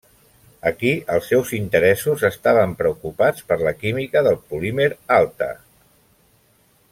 Aquí els seus interessos estaven preocupats per la química del polímer alta.